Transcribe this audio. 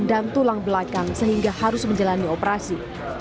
dan tulang belakang sehingga harus menjalani operasi